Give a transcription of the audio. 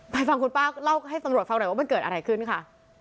ฟังคุณป้าเล่าให้ตำรวจฟังหน่อยว่ามันเกิดอะไรขึ้นค่ะ